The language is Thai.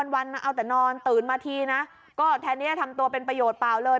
วันเอาแต่นอนตื่นมาทีนะก็แทนนี้ทำตัวเป็นประโยชน์เปล่าเลย